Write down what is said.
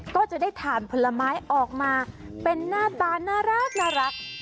ก็จะได้ถ่านผลไม้ออกมาเป็นหน้าตาน่ารัก